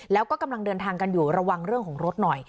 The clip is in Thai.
แล้วก็กำลังเดินทางกันอยู่ระวังเรื่องของรถหน่อย